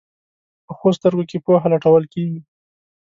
پخو سترګو کې پوهه لټول کېږي